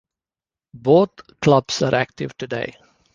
Both clubs are active today.